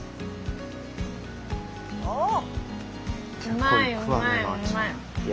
うまいうまいうまい。